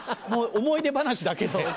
もう思い出話だけで。